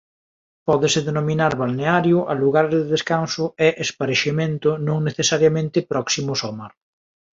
Pódese denominar balneario a lugares de descanso e esparexemento non necesariamente próximos ao mar.